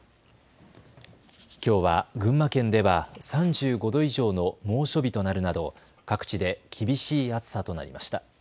きょうは群馬県では３５度以上の猛暑日となるなど各地で厳しい暑さとなりました。